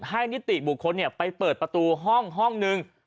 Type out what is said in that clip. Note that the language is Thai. ให้นิติบุคคลไปเปิดประตูห้องนึง